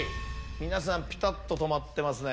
皆さんピタっと止まってますね。